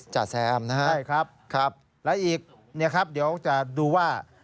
จาแซมนะครับแล้วอีกเนี่ยครับเดี๋ยวจะดูว่า